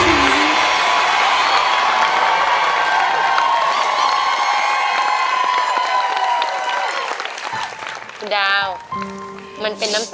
หกหมื่นบาท